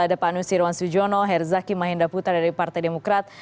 ada pak nusirwan sujono herzaki mahendah putra dari partai demokrat